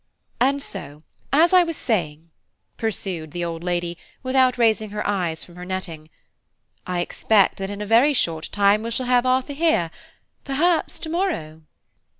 And so as I was saying," pursued the old lady without raising her eyes from her netting, "I expect that in a very short time we shall have Arthur here–perhaps to morrow."